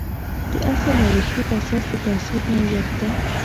د اصل او ریښې په اساس د تهذیب نوعیت ته.